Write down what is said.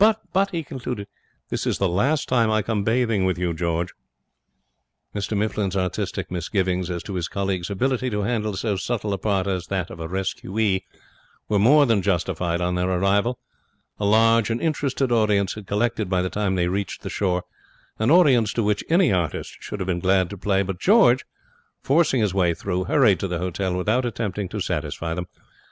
But,' he concluded, 'this is the last time I come bathing with you, George.' Mr Mifflin's artistic misgivings as to his colleague's ability to handle so subtle a part as that of rescuee were more than justified on their arrival. A large and interested audience had collected by the time they reached the shore, an audience to which any artist should have been glad to play; but George, forcing his way through, hurried to the hotel without attempting to satisfy them.